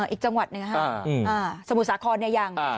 อีกจังหวัดหนึ่งสมุทรสาครเนี่ยยัง